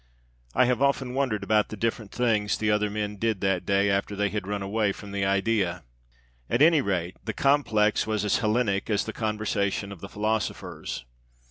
I have often wondered about the different things the other men did that day after they had run away from the Idea! At any rate the complex was as 'Hellenic' as the conversation of the philosophers.